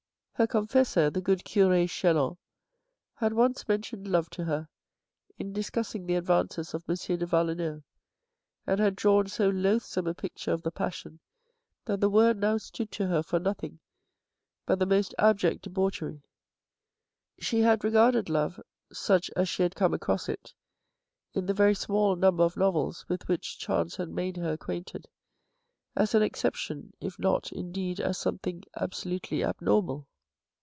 Her confessor, the good cure* Chelan, had once mentioned love to her, in discussing the advances of M. de Valenod, and had drawn so loathsome a picture of the passion that the word now stood to her for nothing but the most abject debauchery. She had regarded love, such as she had come across it, in the very small number of novels with which chance had made her acquainted, as an exception if not indeed as something absolutely abnormal.